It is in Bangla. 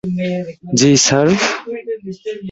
জী, স্যার?